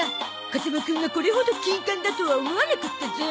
風間くんがこれほどキンカンだとは思わなかったゾ。